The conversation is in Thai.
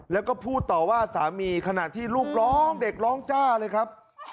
แล้วก็พูดต่อว่าสามีขณะที่ลูกร้องเด็กร้องจ้าเลยครับ